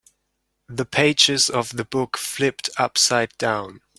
The pages of the book flipped upside down.